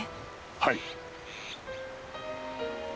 はい。